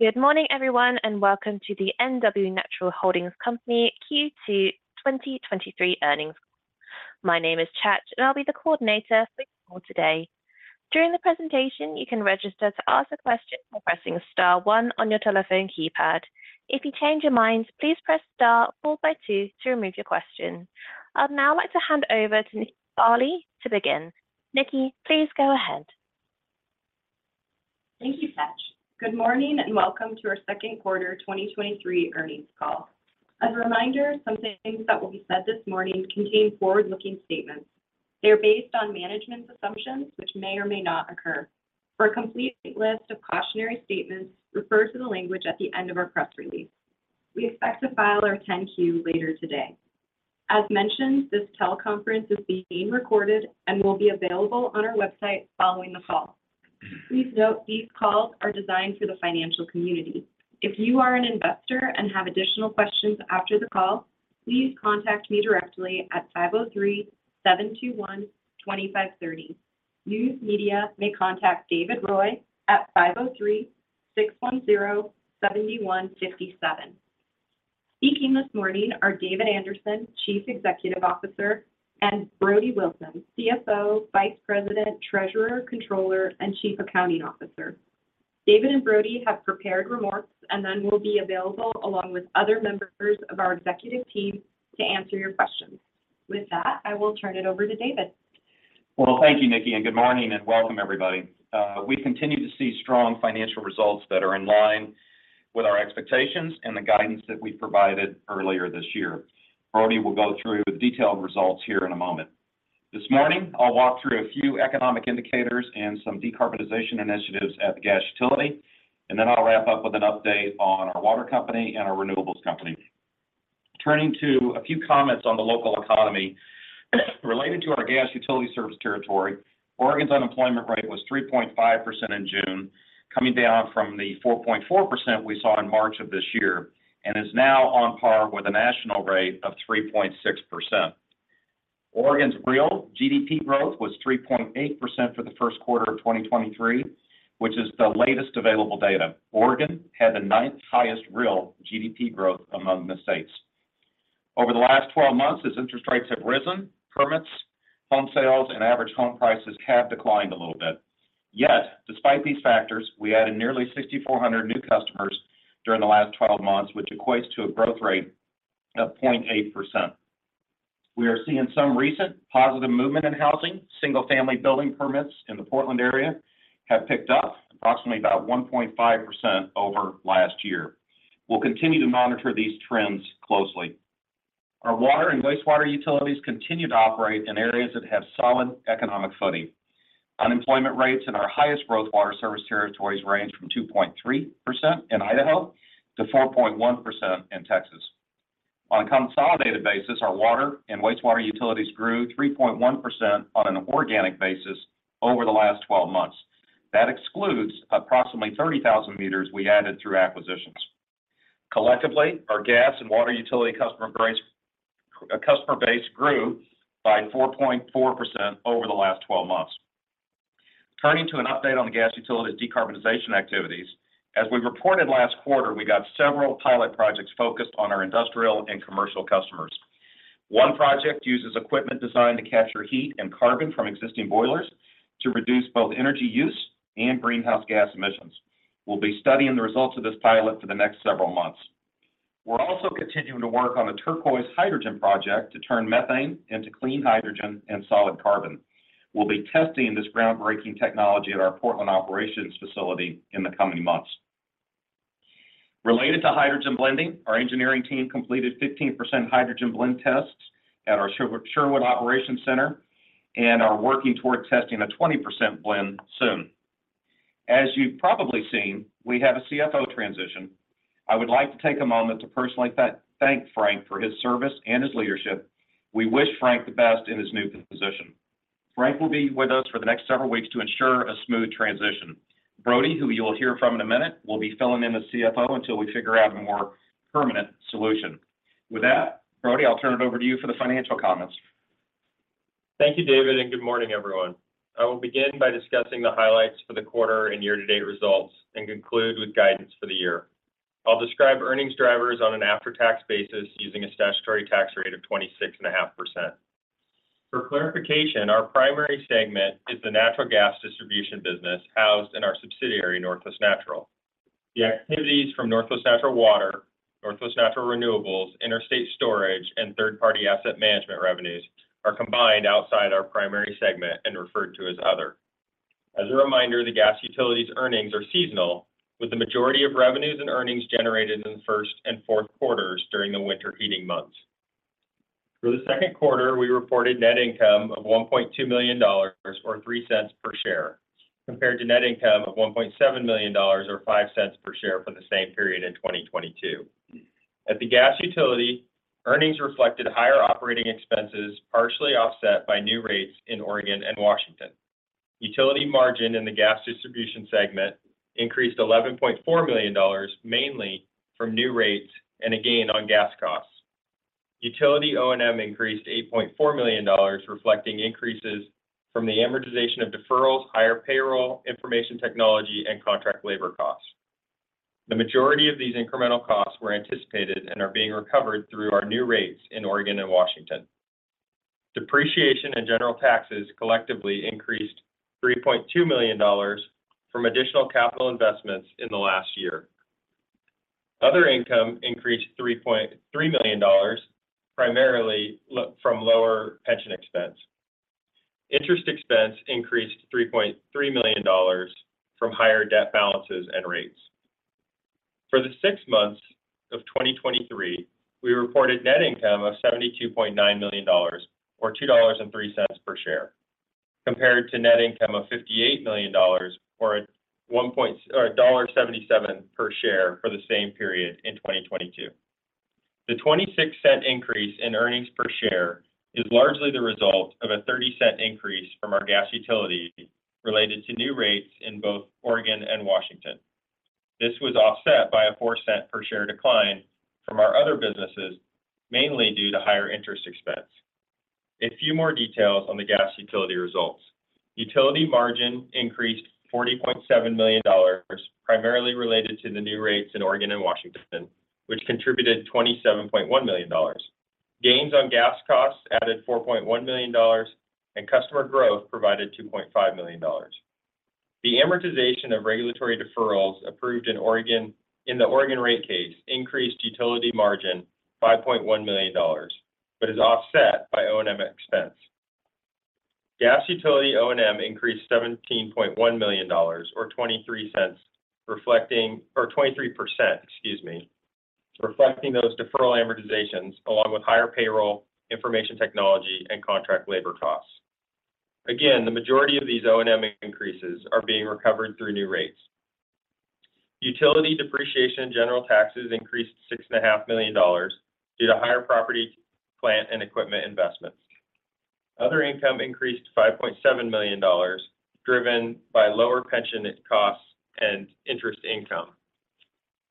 Good morning, everyone, and welcome to the NW Natural Holding Company Q2 2023 earnings call. My name is Chat, and I'll be the coordinator for you all today. During the presentation, you can register to ask a question by pressing star one on your telephone keypad. If you change your mind, please press star followed by two to remove your question. I'd now like to hand over to Nikki Sparley to begin. Nikki, please go ahead. Thank you, Chat. Good morning, welcome to our second quarter 2023 earnings call. As a reminder, some things that will be said this morning contain forward-looking statements. They are based on management assumptions, which may or may not occur. For a complete list of cautionary statements, refer to the language at the end of our press release. We expect to file our 10-Q later today. As mentioned, this teleconference is being recorded and will be available on our website following the call. Please note, these calls are designed for the financial community. If you are an investor and have additional questions after the call, please contact me directly at 503, 721, 2530. News media may contact David Roy at 503, 610, 7157. Speaking this morning are David Anderson, Chief Executive Officer, and Brody Wilson, CFO, Vice President, Treasurer, Controller, and Chief Accounting Officer. David and Brody have prepared remarks and then will be available, along with other members of our executive team, to answer your questions. With that, I will turn it over to David. Well, thank you, Nikki, and good morning, and welcome, everybody. We continue to see strong financial results that are in line with our expectations and the guidance that we provided earlier this year. Brody will go through the detailed results here in a moment. This morning, I'll walk through a few economic indicators and some decarbonization initiatives at the gas utility, and then I'll wrap up with an update on our water company and our renewables company. Turning to a few comments on the local economy, related to our gas utility service territory, Oregon's unemployment rate was 3.5% in June, coming down from the 4.4% we saw in March of this year, and is now on par with a national rate of 3.6%. Oregon's real GDP growth was 3.8% for the first quarter quarter of 2023, which is the latest available data. Oregon had the ninth highest real GDP growth among the states. Over the last 12 months, as interest rates have risen, permits, home sales, and average home prices have declined a little bit. Despite these factors, we added nearly 6,400 new customers during the last 12 months, which equates to a growth rate of 0.8%. We are seeing some recent positive movement in housing. Single-family building permits in the Portland area have picked up approximately about 1.5% over last year. We'll continue to monitor these trends closely. Our water and wastewater utilities continue to operate in areas that have solid economic footing. Unemployment rates in our highest growth water service territories range from 2.3% in Idaho to 4.1% in Texas. On a consolidated basis, our water and wastewater utilities grew 3.1% on an organic basis over the last 12 months. That excludes approximately 30,000 meters we added through acquisitions. Collectively, our gas and water utility customer base, customer base grew by 4.4% over the last 12 months. Turning to an update on the gas utility decarbonization activities, as we reported last quarter, we got several pilot projects focused on our industrial and commercial customers. One project uses equipment designed to capture heat and carbon from existing boilers to reduce both energy use and greenhouse gas emissions. We'll be studying the results of this pilot for the next several months. We're also continuing to work on a turquoise hydrogen project to turn methane into clean hydrogen and solid carbon. We'll be testing this groundbreaking technology at our Portland operations facility in the coming months. Related to hydrogen blending, our engineering team completed 15% hydrogen blend tests at our Sherwood Operations Center and are working towards testing a 20% blend soon. As you've probably seen, we have a CFO transition. I would like to take a moment to personally thank Frank for his service and his leadership. We wish Frank the best in his new position. Frank will be with us for the next several weeks to ensure a smooth transition. Brody, who you'll hear from in a minute, will be filling in as CFO until we figure out a more permanent solution. With that, Brody, I'll turn it over to you for the financial comments. Thank you, David, and good morning, everyone. I will begin by discussing the highlights for the quarter and year-to-date results and conclude with guidance for the year. I'll describe earnings drivers on an after-tax basis using a statutory tax rate of 26.5%. For clarification, our primary segment is the natural gas distribution business housed in our subsidiary, Northwest Natural. The activities from Northwest Natural Water, Northwest Natural Renewables, Interstate Storage, and third-party asset management revenues are combined outside our primary segment and referred to as Other. As a reminder, the gas utility's earnings are seasonal, with the majority of revenues and earnings generated in the first and fourth quarters during the winter heating months. For the second quarter, we reported net income of $1.2 million or $0.03 per share, compared to net income of $1.7 million or $0.05 per share for the same period in 2022. At the gas utility, earnings reflected higher operating expenses, partially offset by new rates in Oregon and Washington. Utility margin in the gas distribution segment increased $11.4 million, mainly from new rates and a gain on gas costs. Utility O&M increased to $8.4 million, reflecting increases from the amortization of deferrals, higher payroll, information technology, and contract labor costs. The majority of these incremental costs were anticipated and are being recovered through our new rates in Oregon and Washington. Depreciation and general taxes collectively increased $3.2 million from additional capital investments in the last year. Other income increased $3.3 million, primarily from lower pension expense. Interest expense increased $3.3 million from higher debt balances and rates. For the six months of 2023, we reported net income of $72.9 million or $2.03 per share, compared to net income of $58 million or $1.77 per share for the same period in 2022. The $0.26 increase in earnings per share is largely the result of a $0.30 increase from our gas utility related to new rates in both Oregon and Washington. This was offset by a $0.04 per share decline from our other businesses, mainly due to higher interest expense. A few more details on the gas utility results. Utility margin increased $40.7 million, primarily related to the new rates in Oregon and Washington, which contributed $27.1 million. Gains on gas costs added $4.1 million. Customer growth provided $2.5 million. The amortization of regulatory deferrals approved in Oregon, in the Oregon rate case, increased utility margin $5.1 million, is offset by O&M expense. Gas utility O&M increased $17.1 million or $0.23, reflecting or 23%, excuse me, reflecting those deferral amortizations, along with higher payroll, information technology, and contract labor costs. The majority of these O&M increases are being recovered through new rates. Utility depreciation, general taxes increased $6.5 million due to higher property, plant, and equipment investments. Other income increased $5.7 million, driven by lower pension costs and interest income.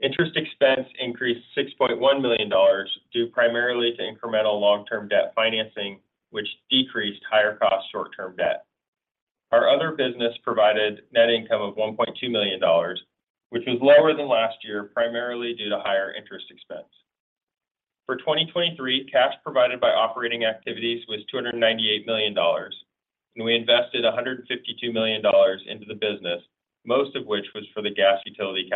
Interest expense increased $6.1 million, due primarily to incremental long-term debt financing, which decreased higher cost short-term debt. Our other business provided net income of $1.2 million, which was lower than last year, primarily due to higher interest expense. For 2023, cash provided by operating activities was $298 million, and we invested $152 million into the business, most of which was for the gas utility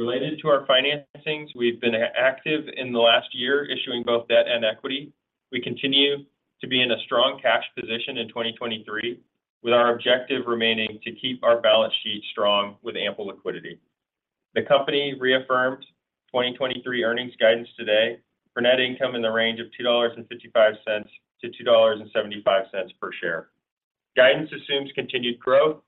capital expenditures. Related to our financings, we've been active in the last year, issuing both debt and equity. We continue to be in a strong cash position in 2023, with our objective remaining to keep our balance sheet strong with ample liquidity. The company reaffirmed 2023 earnings guidance today for net income in the range of $2.55-$2.75 per share. Guidance assumes continued growth,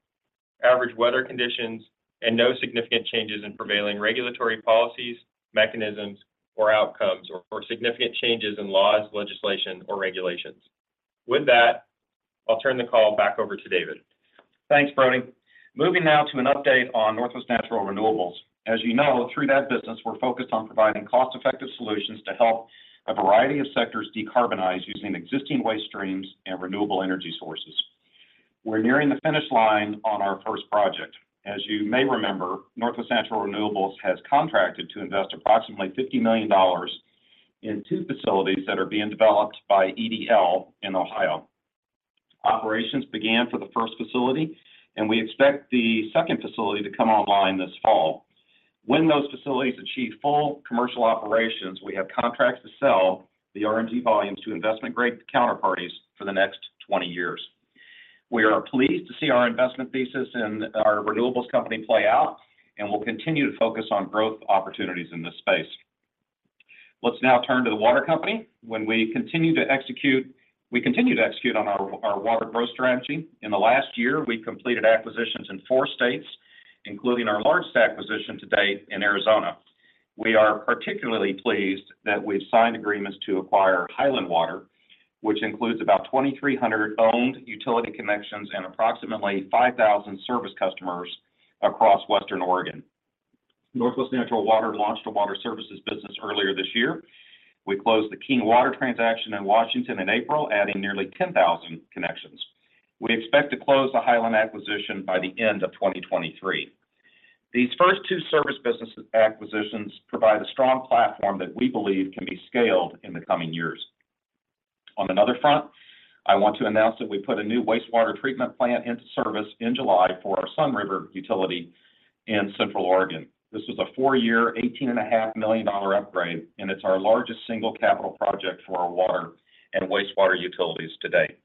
average weather conditions, and no significant changes in prevailing regulatory policies, mechanisms, or outcomes, or significant changes in laws, legislation, or regulations. With that, I'll turn the call back over to David. Thanks, Brody. Moving now to an update on Northwest Natural Renewables. As you know, through that business, we're focused on providing cost-effective solutions to help a variety of sectors decarbonize using existing waste streams and renewable energy sources. We're nearing the finish line on our first project. As you may remember, Northwest Natural Renewables has contracted to invest approximately $50 million in two facilities that are being developed by EDL in Ohio. Operations began for the first facility, and we expect the second facility to come online this fall. When those facilities achieve full commercial operations, we have contracts to sell the RNG volumes to investment-grade counterparties for the next 20 years. We are pleased to see our investment thesis and our renewables company play out, and we'll continue to focus on growth opportunities in this space. Let's now turn to the water company. When we continue to execute, we continue to execute on our, our water growth strategy. In the last year, we completed acquisitions in four states, including our largest acquisition to date in Arizona. We are particularly pleased that we've signed agreements to acquire Highland Water, which includes about 2,300 owned utility connections and approximately 5,000 service customers across Western Oregon. Northwest Natural Water launched a water services business earlier this year. We closed the King Water transaction in Washington in April, adding nearly 10,000 connections. We expect to close the Highland acquisition by the end of 2023. These first two service business acquisitions provide a strong platform that we believe can be scaled in the coming years. On another front, I want to announce that we put a new wastewater treatment plant into service in July for our Sunriver utility in Central Oregon. This was a four year, $18.5 million upgrade, it's our largest single capital project for our water and wastewater utilities to date.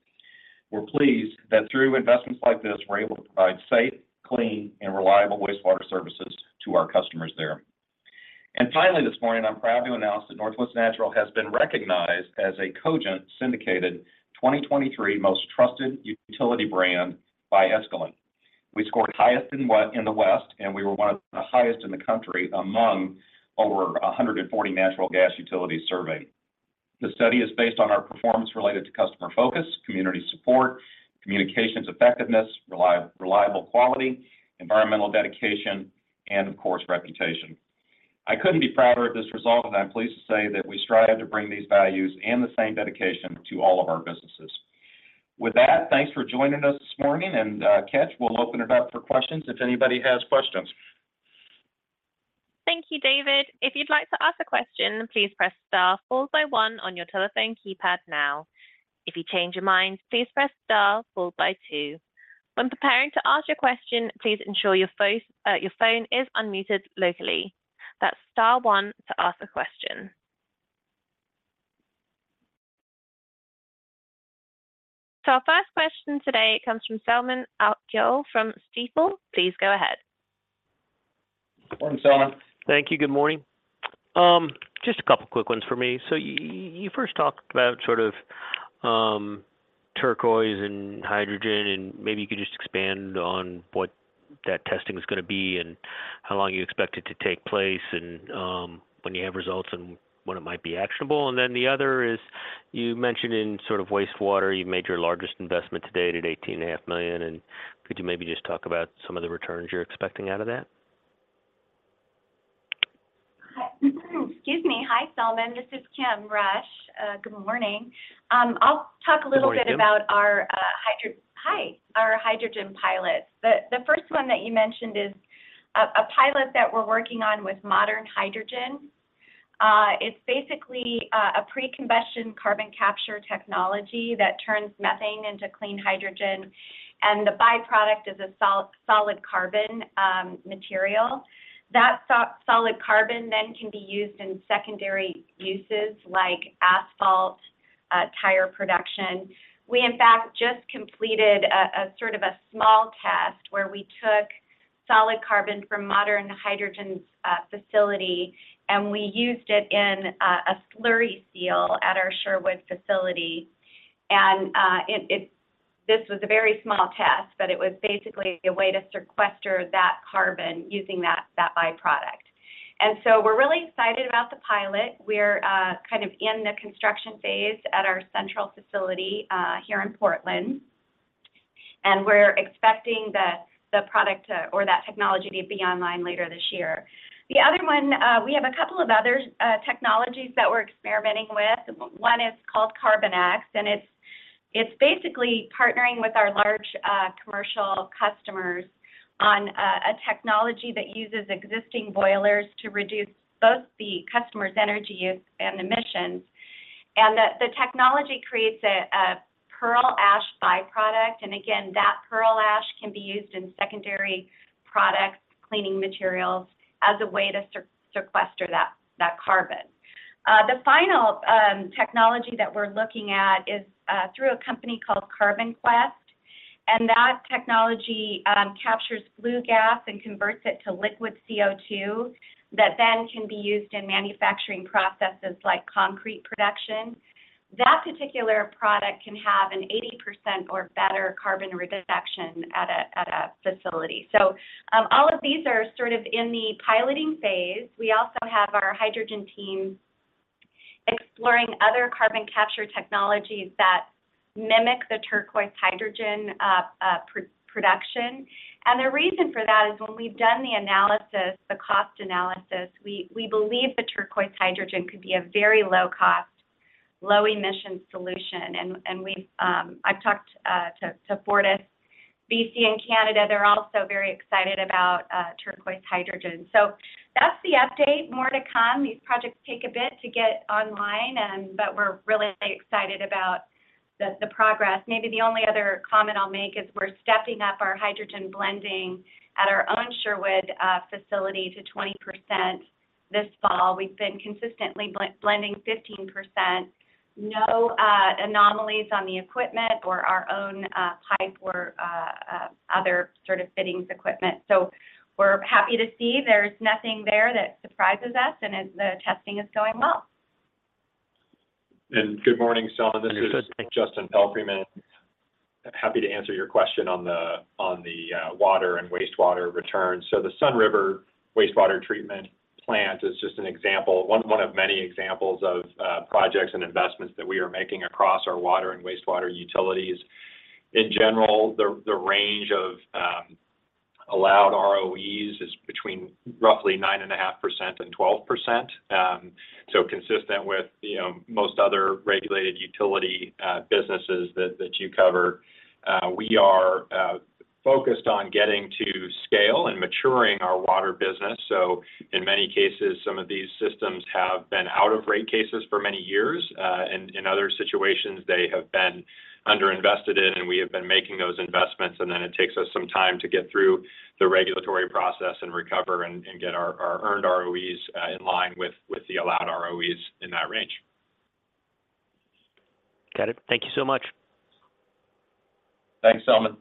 We're pleased that through investments like this, we're able to provide safe, clean, and reliable wastewater services to our customers there. Finally, this morning, I'm proud to announce that Northwest Natural has been recognized as a Cogent Syndicated 2023 most trusted utility brand by Escalent. We scored highest in the West, we were one of the highest in the country among over 140 natural gas utilities surveyed. The study is based on our performance related to customer focus, community support, communications effectiveness, reliable quality, environmental dedication, and of course, reputation. I couldn't be prouder of this result, and I'm pleased to say that we strive to bring these values and the same dedication to all of our businesses. With that, thanks for joining us this morning. Ketch, we'll open it up for questions if anybody has questions. Thank you, David. If you'd like to ask a question, please press star followed by one on your telephone keypad now. If you change your mind, please press star followed by two. When preparing to ask your question, please ensure your phone, your phone is unmuted locally. That's star one to ask a question. Our first question today comes from Selman Akyol from Stifel. Please go ahead. Morning, Selman. Thank you. Good morning. Just a couple quick ones for me. You first talked about sort of, turquoise and hydrogen, and maybe you could just expand on what that testing is gonna be and how long you expect it to take place, and when you have results and when it might be actionable. Then the other is, you mentioned in sort of wastewater, you made your largest investment to date at $18.5 million, and could you maybe just talk about some of the returns you're expecting out of that? Hi. Excuse me. Hi, Selman. This is Kim Rush. Good morning. Good morning, Kim.... a little bit about our hydrogen pilot. The first one that you mentioned is a pilot that we're working on with Modern Hydrogen. It's basically a pre-combustion carbon capture technology that turns methane into clean hydrogen, and the byproduct is a solid carbon material. That solid carbon then can be used in secondary uses like asphalt, tire production. We, in fact, just completed a sort of a small test where we took solid carbon from Modern Hydrogen's facility, and we used it in a slurry seal at our Sherwood facility. This was a very small test, but it was basically a way to sequester that carbon using that byproduct. We're really excited about the pilot. We're kind of in the construction phase at our central facility here in Portland, and we're expecting the product to, or that technology to be online later this year. The other one, we have a couple of other technologies that we're experimenting with. One is called CarbonX, and it's basically partnering with our large commercial customers on a technology that uses existing boilers to reduce both the customer's energy use and emissions. The technology creates a pearl ash byproduct, and again, that pearl ash can be used in secondary products, cleaning materials, as a way to sequester that carbon. The final technology that we're looking at is through a company called CarbonQuest, that technology captures flue gas and converts it to liquid CO₂, that then can be used in manufacturing processes like concrete production. That particular product can have an 80% or better carbon reduction at a facility. All of these are sort of in the piloting phase. We also have our hydrogen team exploring other carbon capture technologies that mimic the turquoise hydrogen production. The reason for that is when we've done the analysis, the cost analysis, we, we believe the turquoise hydrogen could be a very low cost, low emission solution. We've I've talked to FortisBC in Canada. They're also very excited about turquoise hydrogen. That's the update. More to come. These projects take a bit to get online, but we're really excited about the progress. Maybe the only other comment I'll make is we're stepping up our hydrogen blending at our own Sherwood facility to 20% this fall. We've been consistently blending 15%. No anomalies on the equipment or our own pipe or other sort of fittings equipment. We're happy to see there's nothing there that surprises us, and as the testing is going well. Good morning, Selman. Good morning. This is Justin Palfreyman. I'm happy to answer your question on the, on the water and wastewater return. The Sunriver Wastewater Treatment Plant is just an example, one, one of many examples of projects and investments that we are making across our water and wastewater utilities. In general, the, the range of allowed ROEs is between roughly 9.5% and 12%. Consistent with, you know, most other regulated utility businesses that, that you cover. We are focused on getting to scale and maturing our water business. In many cases, some of these systems have been out of rate cases for many years. In other situations, they have been underinvested in, and we have been making those investments, and then it takes us some time to get through the regulatory process and recover and, and get our, our earned ROEs in line with, with the allowed ROEs in that range. Got it. Thank you so much. Thanks, Selman.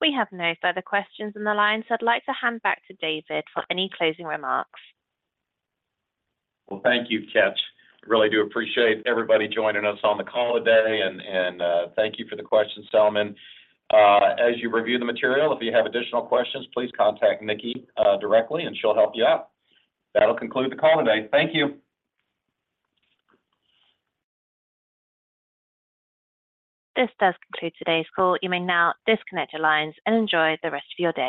We have no further questions on the line, so I'd like to hand back to David for any closing remarks. Well, thank you, Ketch. I really do appreciate everybody joining us on the call today and thank you for the question, Selman. As you review the material, if you have additional questions, please contact Nikki directly, and she'll help you out. That'll conclude the call today. Thank you. This does conclude today's call. You may now disconnect your lines and enjoy the rest of your day.